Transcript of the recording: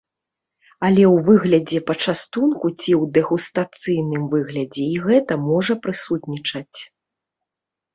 Але ў выглядзе пачастунку ці ў дэгустацыйным выглядзе і гэта можа прысутнічаць.